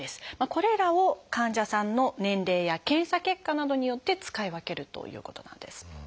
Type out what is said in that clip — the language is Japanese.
これらを患者さんの年齢や検査結果などによって使い分けるということなんです。